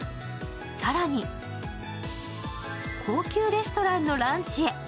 更に、高級レストランのランチへ。